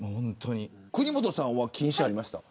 国本さんは禁止ありましたか。